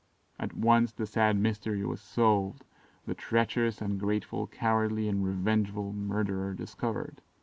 At once the sad mystery was solved, the treacherous, ungrateful, cowardly, and revengeful murderer discovered!